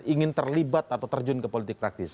ingin terlibat atau terjun ke politik praktis